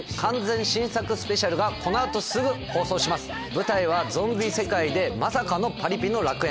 舞台はゾンビ世界でまさかのパリピの楽園。